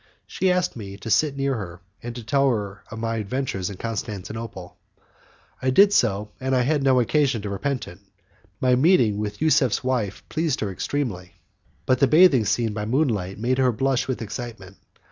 She asked me to sit near her, and to tell her all my adventures in Constantinople. I did so, and I had no occasion to repent it. My meeting with Yusuf's wife pleased her extremely, but the bathing scene by moonlight made her blush with excitement.